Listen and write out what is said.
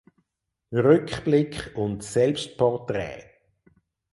Rückblick und Selbstporträt.